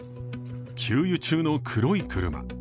給油中の黒い車。